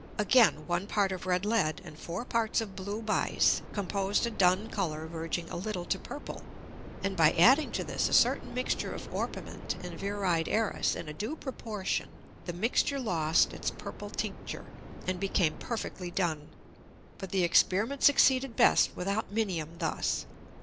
Again, one Part of red Lead, and four Parts of blue Bise, composed a dun Colour verging a little to purple, and by adding to this a certain Mixture of Orpiment and Viride Æris in a due Proportion, the Mixture lost its purple Tincture, and became perfectly dun. But the Experiment succeeded best without Minium thus.